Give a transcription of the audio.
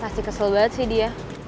pasti kesel banget sih dia